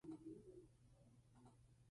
Son aves altamente gregarias.